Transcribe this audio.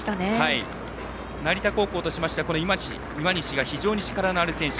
成田高校としましては今西が非常に力のある選手。